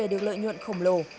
có bảo hành không